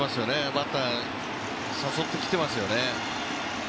バッター誘ってきてますよね。